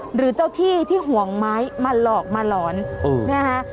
หรือเจ้าที่ที่ห่วงไม้มาหลอกมาหลอนนะคะ